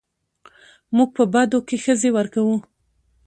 موږ په بدو کې ښځې ورکوو